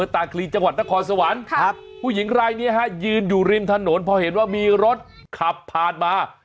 อตาคลีจถสวรรค์ผู้หญิงรายนี้ฮะยืนอยู่ริมถนนเพราะเห็นว่ามีรถขับผ่านมา